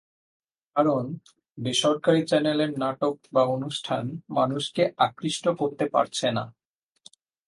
কারণ, বেসরকারি চ্যানেলের নাটক বা অনুষ্ঠান মানুষকে আকৃষ্ট করতে পারছে না।